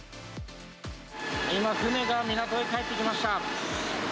今、船が港へ帰ってきました。